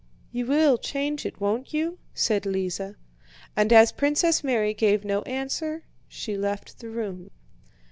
"You will change it, won't you?" said Lise. And as Princess Mary gave no answer, she left the room.